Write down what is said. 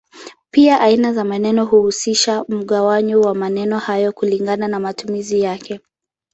Pia aina za maneno huhusisha mgawanyo wa maneno hayo kulingana na matumizi yake.